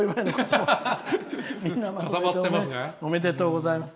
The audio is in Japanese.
おめでとうございます。